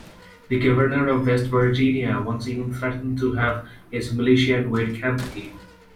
The governor of West Virginia once even threatened to have his militia invade Kentucky.